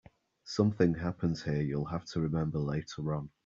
Something happens here you'll have to remember later on.